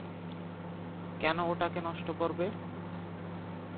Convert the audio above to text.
কেন ওটাকে নষ্ট করবে?